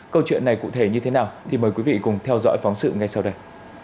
câu chuyện này cụ thể như thế nào thì mời quý vị cùng theo dõi phóng sự ngay sau đây